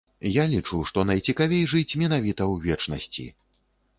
Я лічу, што найцікавей жыць менавіта ў вечнасці.